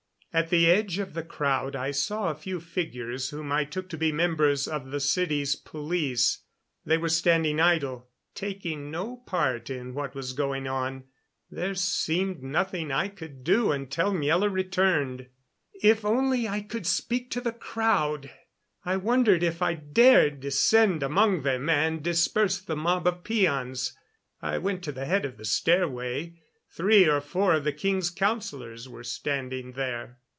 At the edge of the crowd I saw a few figures whom I took to be members of the city's police. They were standing idle, taking no part in what was going on. There seemed nothing I could do until Miela returned. If only I could speak to the crowd! I wondered if I dared descend among them and disperse the mob of peons. I went to the head of the stairway. Three or four of the king's councilors were standing there.